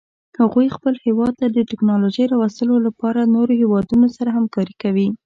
هغوی خپل هیواد ته د تکنالوژۍ راوستلو لپاره د نورو هیوادونو سره همکاري کوي